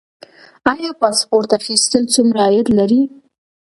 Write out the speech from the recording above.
آیا پاسپورت اخیستل څومره عاید لري؟